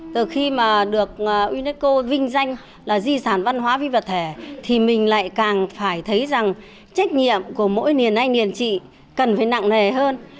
từ khi mà được unesco vinh danh là di sản văn hóa vi vật thể thì mình lại càng phải thấy rằng trách nhiệm của mỗi nền anh niên chị cần phải nặng nề hơn